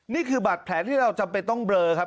นี่คือบาดแผลที่เราจำเป็นต้องเบลอครับ